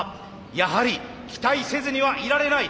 やはり期待せずにはいられない！